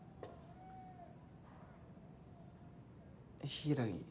柊